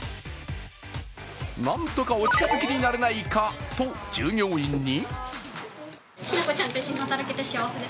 なんとかお近づきにできないか？と従業員に。